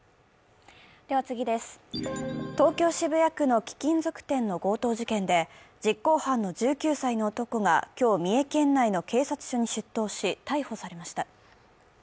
東京・渋谷区の貴金属店の強盗事件で実行犯の１９歳の男が今日、三重県内の警察署に出頭し逮捕されました。